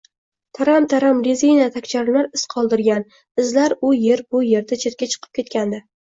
Taram-taram rezina tagcharmlar iz qoldirgan, izlar u er-bu erda chetga chiqib ketgandi